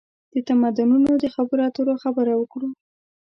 د تمدنونو د خبرواترو خبره وکړو.